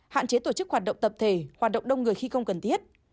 hạn chế tổ chức hoạt động tập thể hoạt động đông người khi không cần thiết